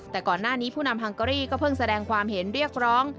แต่ก่อนหน้านี้ผู้นำฮังเกอรี่ก็เพิ่งแสดงความเห็นเรียกร้อง